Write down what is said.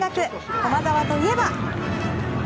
駒澤といえば。